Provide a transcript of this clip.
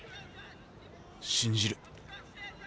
信じる。